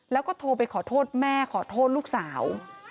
แล้วก็โทรไปขอโทษแม่ขอโทษลูกสาว